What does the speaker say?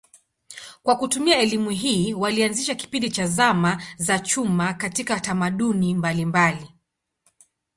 Kwa kutumia elimu hii walianzisha kipindi cha zama za chuma katika tamaduni mbalimbali.